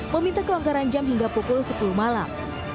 meminta kelonggaran jam hingga pukul sepuluh malam